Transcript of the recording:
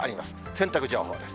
洗濯情報です。